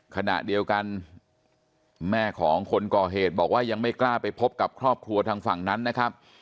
ขณะเดียวกันแม่ของคนก่อเหตุบอกว่ายังไม่กล้าไปพบกับครอบครัวทางฝั่งนั้นนะครับ